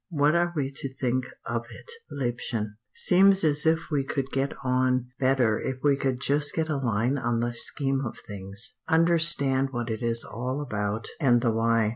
What are we to think of it, liebchen? Seems as if we could get on better if we could just get a line on the scheme of things, understand what it is all about, and the why.